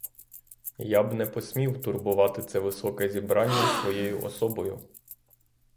Я б не посмів турбувати це високе зібрання своєю особою.